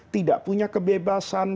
tidak punya kebebasan